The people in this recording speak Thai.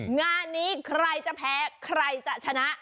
งานนี้ใครจะแพ้ใครจะชนะ